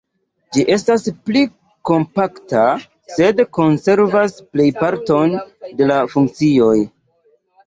Ĝi estas pli kompakta, sed konservas plejparton de la funkcioj.